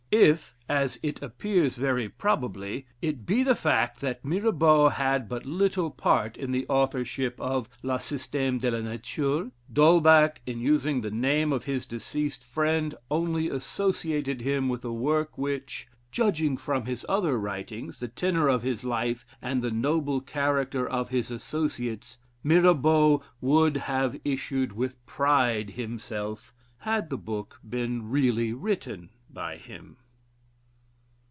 If (as it appears very probably) it be the fact that Mirabaud had but little part in the authorship of "La Système de la Nature," D'Holbach, in using the name of his deceased friend, only associated him with a work which (judging from his other writings, the tenor of his life, and the noble character of his associates) Mirabaud would have issued with pride himself, had the book been really written by him.